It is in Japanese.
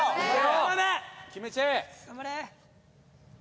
頑張れ。